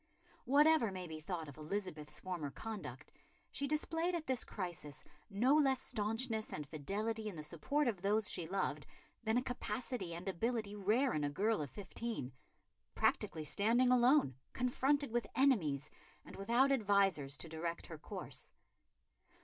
Whatever may be thought of Elizabeth's former conduct, she displayed at this crisis no less staunchness and fidelity in the support of those she loved than a capacity and ability rare in a girl of fifteen, practically standing alone, confronted with enemies, and without advisers to direct her course.